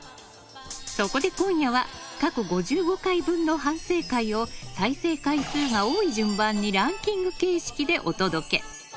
そこで今夜は過去５５回分の反省会を再生回数が多い順番にランキング形式でお届け。